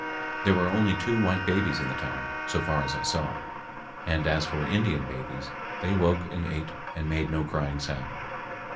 There were only two white babies in the town, so far as I saw, and as for Indian babies, they woke and ate and made no crying sound.